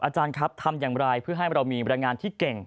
อาจารย์ครับทำอย่างไรเพื่อให้เรามีบรรยายงานที่เก่ง